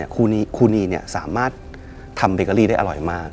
ครูนีสามารถทำเบเกอรี่ได้อร่อยมาก